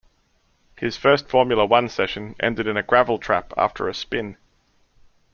His first Formula One session ended in a gravel trap after a spin.